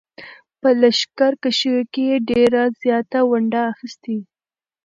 په لښکرکښیو کې یې ډېره زیاته ونډه اخیستې.